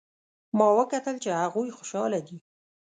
ما وکتل چې هغوی خوشحاله دي